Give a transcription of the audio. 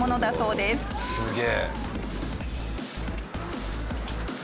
すげえ。